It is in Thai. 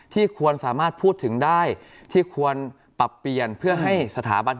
ควรสามารถพูดถึงได้ที่ควรปรับเปลี่ยนเพื่อให้สถาบัน